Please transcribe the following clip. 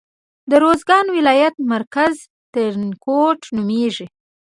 د روزګان ولایت مرکز ترینکوټ نومیږي.